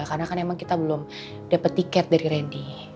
karena kan emang kita belum dapet tiket dari randy